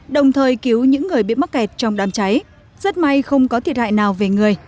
đồng thời cứu những người bị mắc kẹt trong đám cháy rất may không có thiệt hại nào về người